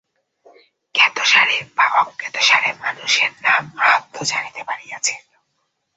জ্ঞাতসারে বা অজ্ঞাতসারে মানুষ নাম-মাহাত্ম্য জানিতে পারিয়াছিল।